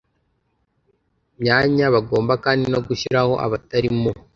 myanya bagomba kandi no gushyiraho abatari mu